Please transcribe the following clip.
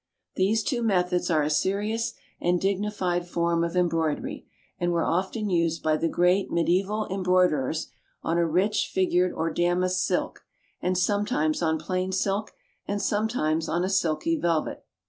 These two methods are a serious and dignified form of embroidery, and were often used by the great mediæval embroiderers on a rich figured or damask silk, and sometimes on plain silk, and sometimes on a silky velvet.